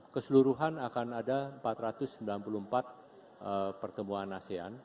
keseluruhan akan ada empat ratus sembilan puluh empat pertemuan asean